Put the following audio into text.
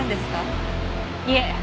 いえ。